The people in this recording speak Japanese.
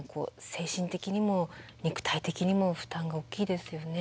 精神的にも肉体的にも負担が大きいですよね。